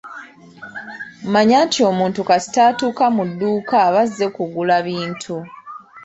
Manya nti omuntu kasita atuuka mu dduuka aba azze kugula bintu.